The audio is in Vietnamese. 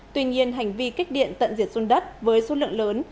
tuy nhiên hành vi kích điện tận diệt dùng đất với số lượng lớn